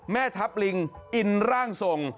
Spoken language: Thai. แม่ทัพลิงอินร่างทรง